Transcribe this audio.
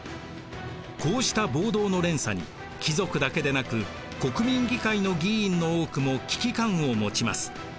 こうした暴動の連鎖に貴族だけでなく国民議会の議員の多くも危機感を持ちます。